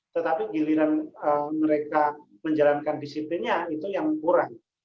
tetapi giliran mereka menjalankan disiplinnya itu yang kurang